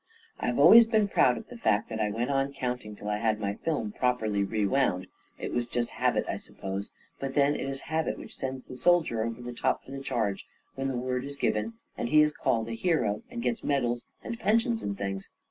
I have always been proud of the fact that I went on counting till I had my film properly re wound. It was just habit, I suppose ; but then it is habit which sends the soldier over the top for the charge when the word is given, and he is called a hero, and gets medals and pensions and things!